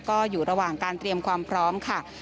ก็อยู่ระหว่างการเตรียมความพร้อมค่ะ